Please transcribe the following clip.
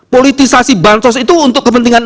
politisasi ban sos itu untuk kepentingan